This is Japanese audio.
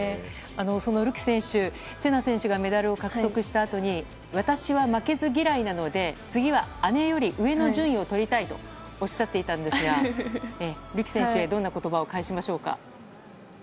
そのるき選手、せな選手がメダルを獲得したあとに私は負けず嫌いなので次は姉より上の順位をとりたいとおっしゃっていたんですがるき選手へ、どんな言葉を返しましょうか？